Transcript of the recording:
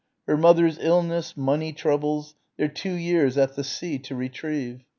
her mother's illness, money troubles their two years at the sea to retrieve ...